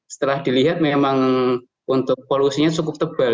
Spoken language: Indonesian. setelah dilihat memang untuk polusinya cukup tebal